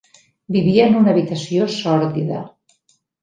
Vivia en una habitació sòrdida.